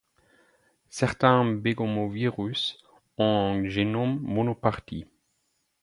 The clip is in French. Certains begomovirus ont un génome monoparti.